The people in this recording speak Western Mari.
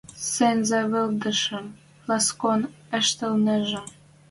Сӹнзӓвӹдшӹм ласкон ӹштӹлнежӹ...